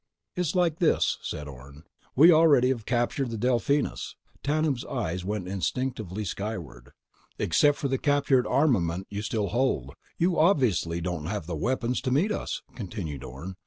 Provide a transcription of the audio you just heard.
_ "It's like this," said Orne. "We already have recaptured the Delphinus." Tanub's eyes went instinctively skyward. "Except for the captured armament you still hold, you obviously don't have the weapons to meet us," continued Orne.